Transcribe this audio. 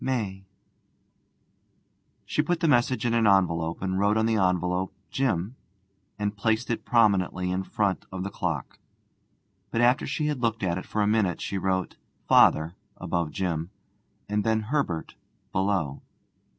MAY.' She put the message in an envelope, and wrote on the envelope 'Jim,' and placed it prominently in front of the clock. But after she had looked at it for a minute, she wrote 'Father' above Jim, and then 'Herbert' below.